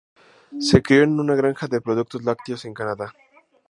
Se crio en una granja de productos lácteos en Canadá.